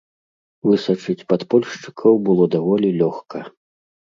Высачыць падпольшчыкаў было даволі лёгка.